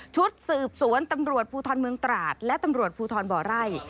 ชุดสืบสวนตำรวจภูทรเมืองตราดและตำรวจภูทรบ่อไร่